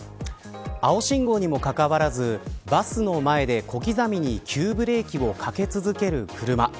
青信号にもかかわらずバスの前で小刻みに急ブレーキをかけ続ける車。